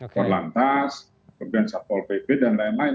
perlantas kemudian sapol pp dan lain lain